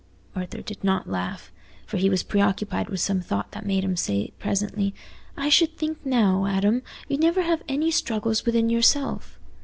Arthur did not laugh, for he was preoccupied with some thought that made him say presently, "I should think now, Adam, you never have any struggles within yourself.